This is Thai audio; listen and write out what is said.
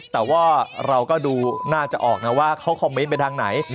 แต่ว่าเราก็ดูน่าจะออกนะว่าเขาคอมเมนต์ไปทางไหน